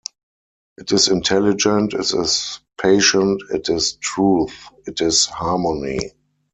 It is intelligent, it is patient, it is truth, it is harmony.